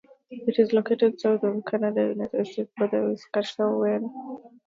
It is located south of the Canada-United States border with Saskatchewan.